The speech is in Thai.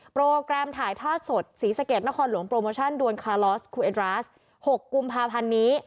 โปรแกรมถ่ายทอดสดศรีสะเกดนครหลวงโปรโมชั่นดวนคาลอสคูเอ็ดราส๖กุมภาพันธ์นี้